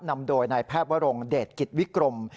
นำโดยในแพพวรงค์เดทกิจวิกรม